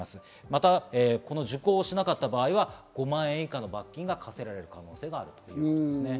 また受講しなかった場合は５万円以下の罰金が科せられる可能性があります。